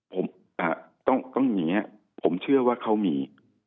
ผมต้องอย่างนี้ผมเชื่อว่าเขามี